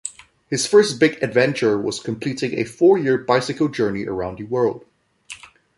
His first big adventure was completing a four-year bicycle journey around the world.